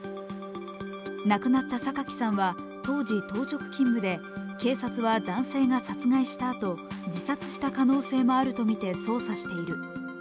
亡くなった榊さんは当時、当直勤務で警察は男性が殺害したあと自殺した可能性もあるとみて捜査している。